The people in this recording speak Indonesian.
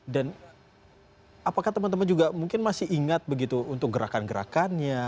dan apakah teman teman juga mungkin masih ingat begitu untuk gerakan gerakannya